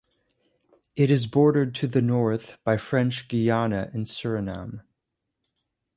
It is bordered to the north by French Guiana and Suriname.